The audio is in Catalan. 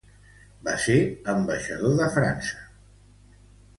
Va ser ambaixador de França a Madrid.